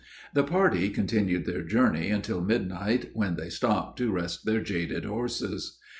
The party continued their journey until midnight, when they stopped, to rest their jaded horses.